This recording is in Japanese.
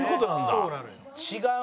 そうなのよ。